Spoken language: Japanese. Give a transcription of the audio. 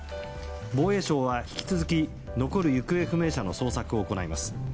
防衛省は引き続き、残る行方不明者の捜索を行います。